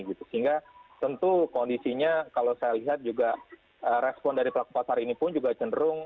sehingga tentu kondisinya kalau saya lihat juga respon dari pelaku pasar ini pun juga cenderung